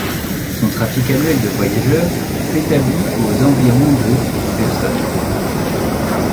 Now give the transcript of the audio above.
Son trafic annuel de voyageurs s'établit aux environs de personnes.